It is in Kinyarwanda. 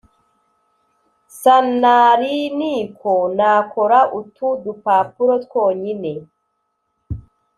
Sanariniko nakora utu dupapuro twonyine